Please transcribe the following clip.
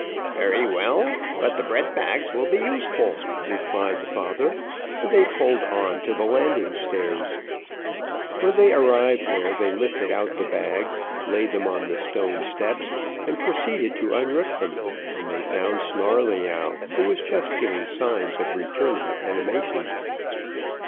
"Very well, but the bread bags will be useful," replied the father, and they pulled on to the landing stairs. When they arrived there they lifted out the bags, laid them on the stone steps, and proceeded to unrip them, when they found Snarleyyow, who was just giving signs of returning animation.